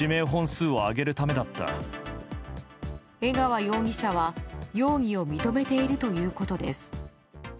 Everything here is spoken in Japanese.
江川容疑者は容疑を認めているということです。